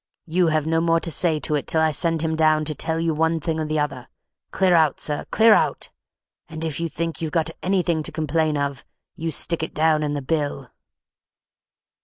You have no more to say to it till I send him down to tell you one thing or the other. Clear out, sir, clear out; and if you think you've anything to complain of, you stick it down in the bill!"